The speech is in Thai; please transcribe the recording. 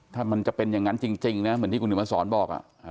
ถ้ามันจะเป็นอย่างนั้นจริงนะเหมือนที่คุณเห็นมาสอนบอก